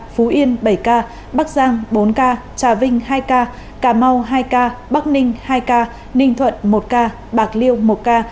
phú yên bảy ca bắc giang bốn ca trà vinh hai ca cà mau hai ca bắc ninh hai ca ninh thuận một ca bạc liêu một ca